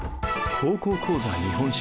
「高校講座日本史」。